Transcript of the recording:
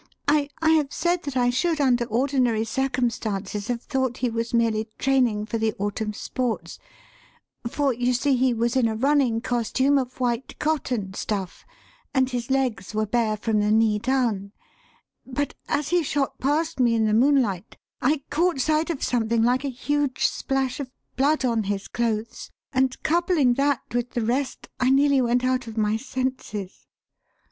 "I have said that I should under ordinary circumstances have thought he was merely training for the autumn sports for, you see, he was in a running costume of white cotton stuff and his legs were bare from the knee down but as he shot past me in the moonlight I caught sight of something like a huge splash of blood on his clothes, and coupling that with the rest I nearly went out of my senses.